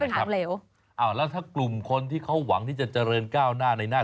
แล้วถ้าเป็นที่เขย่าได้ใช่ไหมคะ